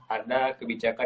ada kebijakan yang diaturkan